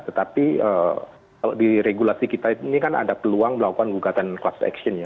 tetapi di regulasi kita ini kan ada peluang melakukan gugatan class action ya